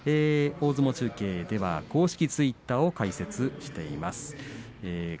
大相撲中継では公式ツイッターを開設しています。